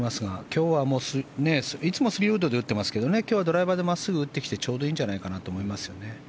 今日はいつも３ウッドで打ってますけどね今日はドライバーで真っすぐ打ってきてちょうどいいんじゃないかなと思いますね。